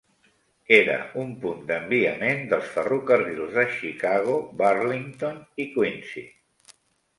Era un punt d'enviament dels ferrocarrils de Chicago, Burlington i Quincy.